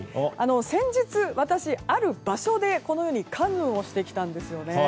先日、私ある場所でカヌーをしてきたんですね。